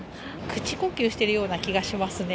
口呼吸しているような気がしますね。